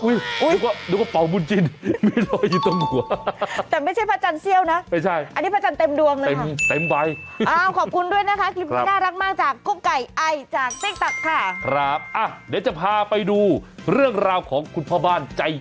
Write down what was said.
แล้วก็เป่ามุนจิ้นไม่เหลอยอยู่ตรงหัว